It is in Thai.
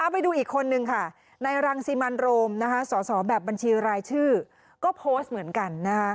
ไปดูอีกคนนึงค่ะในรังสิมันโรมสอสอแบบบัญชีรายชื่อก็โพสต์เหมือนกัน